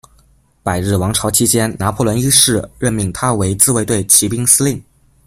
百日王朝期间，拿破仑一世任命他为自卫队骑兵司令。